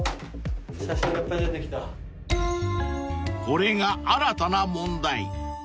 ［これが新たな問題］